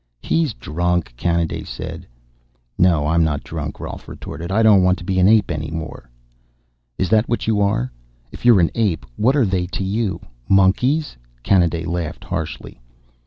"He's drunk," Kanaday said. "No, I'm not drunk," Rolf retorted. "I don't want to be an ape any more." "Is that what you are? If you're an ape, what are they to you? Monkeys?" Kanaday laughed harshly.